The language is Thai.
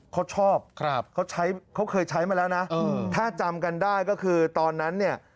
เขาชอบเขาใช้เขาเคยใช้มาแล้วนะถ้าจำกันได้ก็คือตอนนั้นเนี่ย